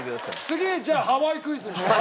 次じゃあハワイクイズにしよう。